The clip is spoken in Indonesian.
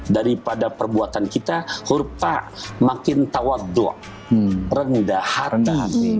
daripada perbuatan kita hurfa makin tawaddu rendah hati